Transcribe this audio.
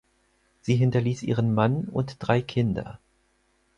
Sie hinterließ ihren Mann und drei Kinder.